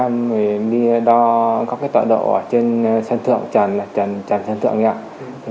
mình đi đo các tọa độ ở trên sân thượng tràn sân thượng nhé